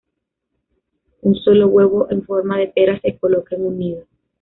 Un solo huevo en forma de pera se coloca en un nido.